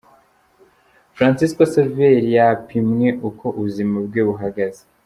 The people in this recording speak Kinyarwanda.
Francisco Saveri yapimwe uko ubuzima bwe buhagaze.